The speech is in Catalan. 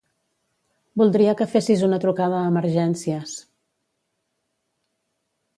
Voldria que fessis una trucada a Emergències.